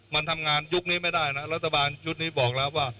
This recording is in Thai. มันทำงานยุคนี้ไม่ได้นะรัฐบาลชุดนี้บอกแล้วว่า